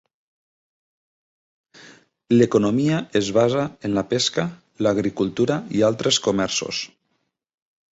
L'economia es basa en la pesca, l'agricultura i altres comerços.